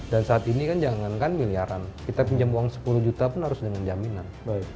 dan saat ini kan jangankan miliaran kita pinjam uang sepuluh juta pun harus dengan jaminan